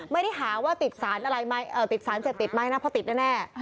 ไม่ได้หาว่าติดสารเสพติดมั้ยนะเพราะติดแน่